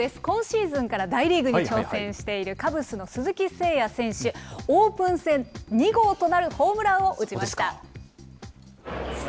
今シーズンから大リーグに挑戦しているカブスの鈴木誠也選手、オープン戦２号となるホームランを打ちました。